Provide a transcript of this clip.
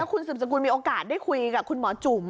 คุณสืบสกุลมีโอกาสได้คุยกับคุณหมอจุ๋ม